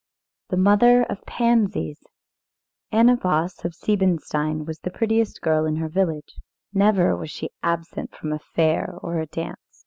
THE MOTHER OF PANSIES Anna Voss, of Siebenstein, was the prettiest girl in her village. Never was she absent from a fair or a dance.